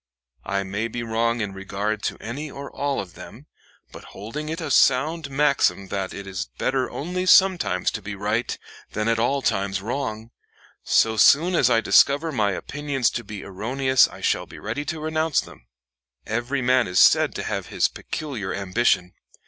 I may be wrong in regard to any or all of them; but holding it a sound maxim that it is better only sometimes to be right than at all times wrong, so soon as I discover my opinions to be erroneous I shall be ready to renounce them.... Every man is said to have his peculiar ambition.